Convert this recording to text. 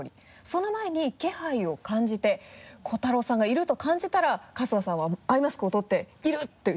その前に気配を感じて瑚太郎さんがいると感じたら春日さんはアイマスクを取って「いる！」と。